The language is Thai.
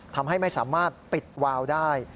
ทำให้ไม่สามารถปิดวาวได้